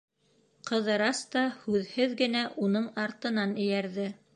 Ҡыҙырас та һүҙһеҙ генә уның артынан эйәрҙе.